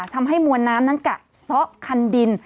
ทำให้มวลน้ำนั้นกะเซาะคันดิน